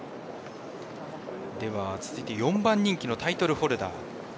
続いて４番人気のタイトルホルダー。